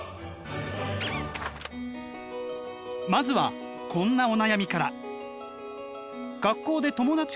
まずはこんなお悩みから。